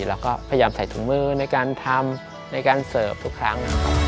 แล้วก็พยายามใส่ทุกมือในการทำในการเสริมทุกครั้ง